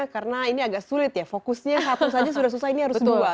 karena ini agak sulit ya fokusnya satu saja sudah susah ini harus dua